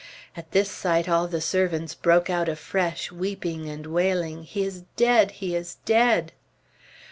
At this sight, all the servants broke out afresh, weeping and wailing, "He is dead! He is dead!"